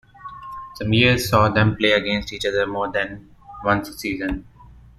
Some years saw them play against each other more than once a season.